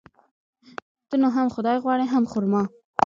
ته نو هم خداى غواړي ،هم خر ما.